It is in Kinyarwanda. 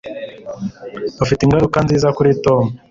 Ufite ingaruka nziza kuri Tom